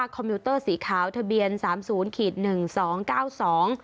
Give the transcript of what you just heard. คอมมิวเตอร์สีขาวทะเบียนสามศูนย์ขีดหนึ่งสองเก้าสอง